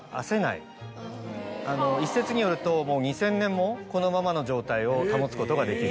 一説によると２０００年もこのままの状態を保つことができる。